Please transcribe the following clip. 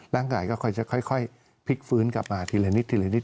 ร่างกายก็ค่อยพลิกฟื้นกลับมาทีละนิดทีละนิด